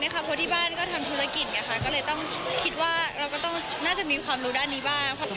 ก็เลยต้องคิดว่าเราก็ต้องน่าจะมีความรู้ด้านนี้บ้าง